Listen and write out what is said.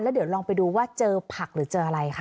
เดี๋ยวลองไปดูว่าเจอผักหรือเจออะไรคะ